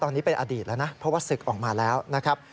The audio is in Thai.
ตอนนี้เป็นอดีตแล้วนะเพราะว่าศึกออกมาแล้วนะครับ